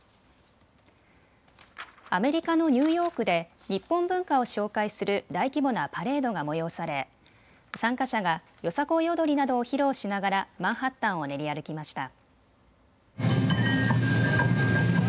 アメリカのニューヨークで日本文化を紹介する大規模なパレードが催され参加者がよさこい踊りなどを披露しながらマンハッタンを練り歩きました。